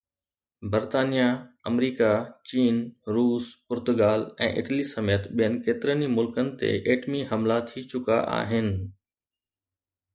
برطانيا، آمريڪا، چين، روس، پرتگال ۽ اٽلي سميت ٻين ڪيترن ئي ملڪن تي ايٽمي حملا ٿي چڪا آهن.